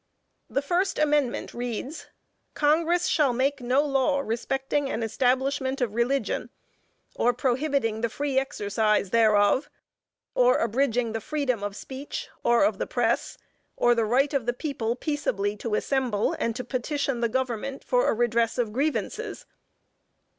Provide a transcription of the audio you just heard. The first amendment reads, "Congress shall make no law respecting an establishment of religion, or prohibiting the free exercise thereof, or abridging the freedom of speech, or of the press; or the right of the people peaceably to assemble and to petition the government for a redress of grievances."